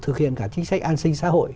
thực hiện cả chính sách an sinh xã hội